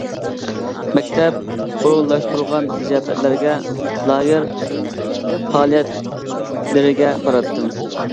مەكتەپ ئورۇنلاشتۇرغان زىياپەتلەرگە، لاگېر پائالىيەتلىرىگە باراتتىم.